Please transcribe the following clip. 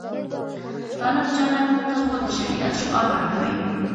طالب جانه ته خو د شریعت شعار ورکوې.